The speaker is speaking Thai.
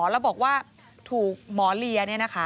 แล้วบอกว่าถูกหมอเลีย